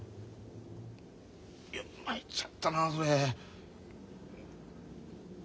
いや参っちゃったなそれ。